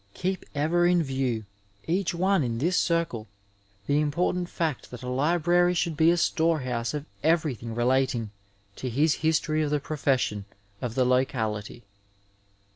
Keep ever in view, each one in this circle, the important fact that a library should be a storehouse of everything relating to his history of the profession of the locality.